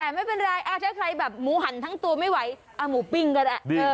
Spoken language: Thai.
แต่ไม่เป็นไรถ้าใครแบบหมูหันทั้งตัวไม่ไหวหมูปิ้งก็ได้